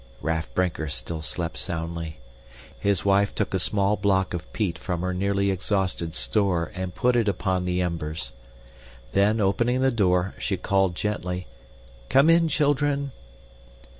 Raff Brinker still slept soundly. His wife took a small block of peat from her nearly exhausted store and put it upon the embers. Then opening the door, she called gently, "Come in, children."